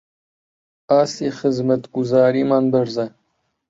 ئاستی خزمەتگوزاریمان بەرزە